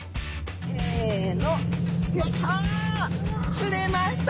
釣れました！